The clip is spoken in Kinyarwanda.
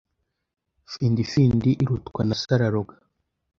Findi findi irutwa na so araroga”